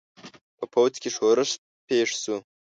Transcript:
په پوځ کې ښورښ پېښ شو.